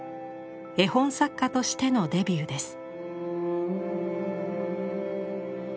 絵本作家としてのデビューです。